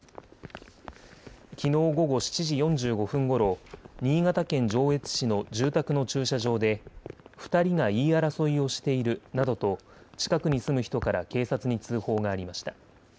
きのう午後７時４５分ごろ新潟県上越市の住宅の駐車場で２人が言い争いをしているなどと近くに住む人から警察に通報がありました。